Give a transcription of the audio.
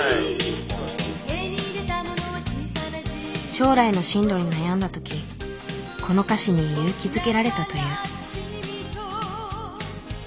将来の進路に悩んだ時この歌詞に勇気づけられたという。